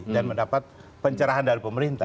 dan mendapat pencerahan dari pemerintah